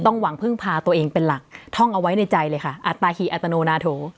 หวังพึ่งพาตัวเองเป็นหลักท่องเอาไว้ในใจเลยค่ะอัตตาหีอัตโนนาโถ